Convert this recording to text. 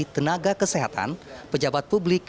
tenaga kesehatan pejabat publik